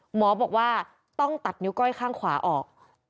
หมอบอกว่าต้องตัดนิ้วก้อยข้างขวาออก